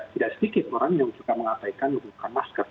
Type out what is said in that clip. tidak sedikit orang yang suka mengabaikan membuka masker